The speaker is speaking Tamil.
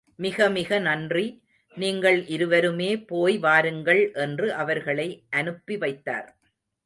மிக மிக நன்றி, நீங்கள் இருவருமே போய் வாருங்கள் என்று அவர்களை அனுப்பி வைத்தார்.